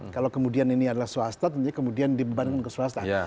kalau kemudian ini adalah swasta tentunya kemudian dibebankan ke swasta